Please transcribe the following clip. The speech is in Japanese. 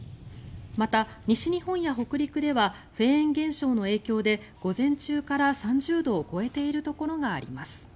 また、西日本や北陸ではフェーン現象の影響で午前中から３０度を超えているところがあります。